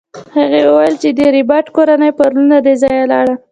هغې وویل چې د ربیټ کورنۍ پرون له دې ځایه لاړه